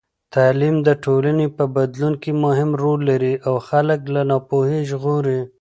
تعلیم د ټولنې په بدلون کې مهم رول لري او خلک له ناپوهۍ ژغوري.